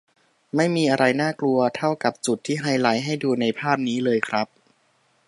ไม่มีอะไรน่ากลัวเท่ากับจุดที่ไฮไลท์ให้ดูในภาพนี้เลยครับ